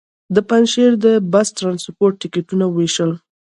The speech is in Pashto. د پنجشېر د بس ټرانسپورټ ټکټونه وېشل.